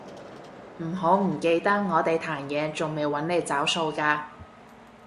唔好唔記得我哋壇野仲未搵你找數㗎